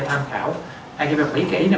tham khảo hai cái bài quỹ kỹ này